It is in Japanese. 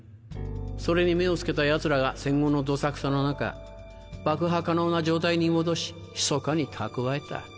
それに目を付けたヤツらが戦後のどさくさの中爆破可能な状態に戻しひそかに蓄えた。